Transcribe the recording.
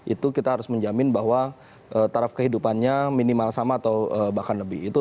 itu kita harus menjamin bahwa taraf kehidupannya minimal sama atau bahkan lebih